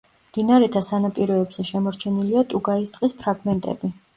მდინარეთა სანაპიროებზე შემორჩენილია ტუგაის ტყის ფრაგმენტები.